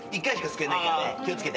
気を付けて。